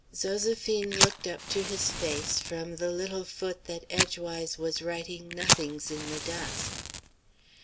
Zoséphine looked up to his face from the little foot that edgewise was writing nothings in the dust.